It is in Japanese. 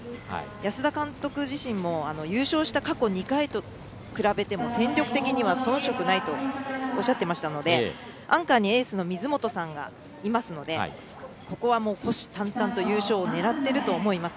安田監督自身も優勝した過去２回と比べても戦力的には遜色ないとおっしゃっていたのでアンカーにエースの水本さんがいますのでここは虎視たんたんと優勝を狙っていると思います。